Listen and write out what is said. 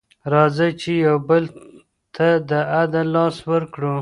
راځئ چي یو بل ته د عدل لاس ورکړو.